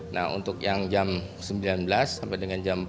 nah untuk yang jam sembilan belas sampai dengan jam empat